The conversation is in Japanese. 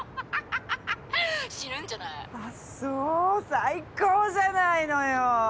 最高じゃないのよ。